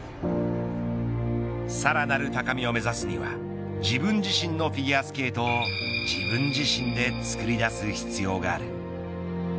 さらなる高みを目指すには自分自身のフィギュアスケートを自分自身で作り出す必要がある。